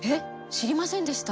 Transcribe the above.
知りませんでした。